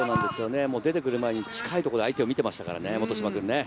出て来る前に近いところで元島君は相手を見ていましたからね。